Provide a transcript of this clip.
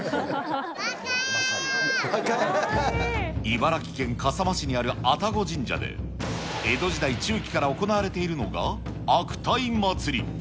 茨城県笠間市にある愛宕神社で、江戸時代中期から行われているのが、悪態まつり。